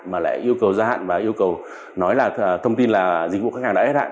mà lại yêu cầu gia hạn và yêu cầu nói là thông tin là dịch vụ khách hàng đã hết hạn